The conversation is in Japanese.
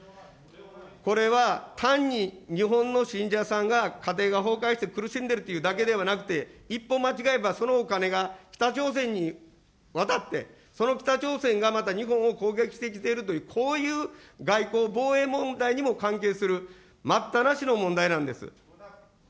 これは単に日本の信者さんが家庭が崩壊して苦しんでいるというだけではなくて、一歩間違えればそのお金が北朝鮮にわたって、その北朝鮮がまた日本を攻撃してきているという、こういう外交・防衛問題にも関係する、待ったなしの問題なんです。